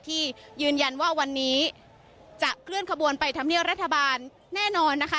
ที่ยืนยันว่าวันนี้จะเคลื่อนขบวนไปทำเนียบรัฐบาลแน่นอนนะคะ